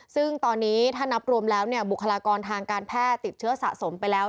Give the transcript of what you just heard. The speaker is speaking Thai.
ซึ่งตอนนี้ถ้านับรวมแล้วบุคลากรทางการแพทย์ติดเชื้อสะสมไปแล้ว